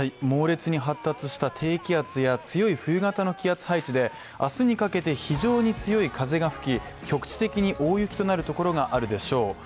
猛烈に発達した低気圧や強い冬型の気圧配置で明日にかけて非常に強い風が吹き局地的に大雪となるところがあるでしょう。